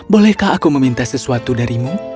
bolehkah aku meminta sesuatu darimu